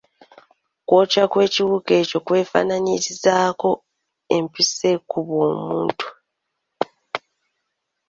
Okwokya kw'ekiwuka ekyo kwefaanaanyirizaako n'empiso ekubwa omuntu.